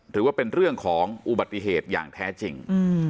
ถือว่าเป็นเรื่องของอุบัติเหตุอย่างแท้จริง